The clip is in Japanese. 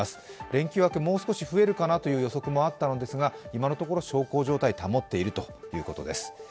連休明け、もう少し増えるかなという予想もあったんですが今のところ小康状態を保っているということです。